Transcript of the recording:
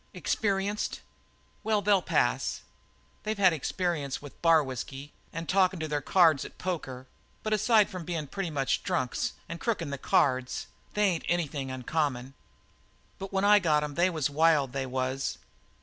"Experienced? Well, they'll pass. They've had experience with bar whisky and talkin' to their cards at poker, but aside from bein' pretty much drunks and crookin' the cards, they ain't anything uncommon. But when I got 'em they was wild, they was.